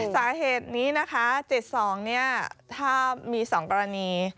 สาเหตุนี้นะคะ๗๒ถ้ามี๒กรณี